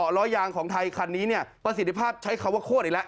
ล้อยางของไทยคันนี้เนี่ยประสิทธิภาพใช้คำว่าโคตรอีกแล้ว